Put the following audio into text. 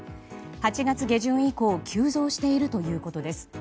８月下旬以降急増しているということです。